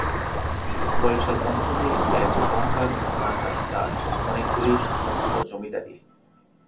বরিশাল অঞ্চলে এব গঙ্গার মোহনার কাছে তাঁর অনেকগুলি মস্ত জমিদারি।